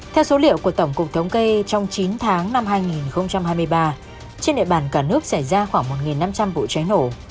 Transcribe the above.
theo số liệu của tổng cục thống kê trong chín tháng năm hai nghìn hai mươi ba trên địa bàn cả nước xảy ra khoảng một năm trăm linh vụ cháy nổ